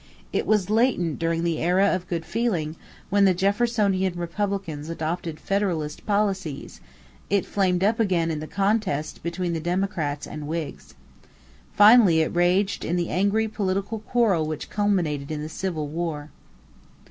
It was latent during the "era of good feeling" when the Jeffersonian Republicans adopted Federalist policies; it flamed up in the contest between the Democrats and Whigs. Finally it raged in the angry political quarrel which culminated in the Civil War.